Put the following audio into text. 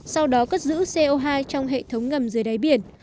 sau đó cất giữ co hai trong hệ thống ngầm dưới đáy biển